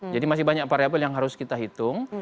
jadi masih banyak variable yang harus kita hitung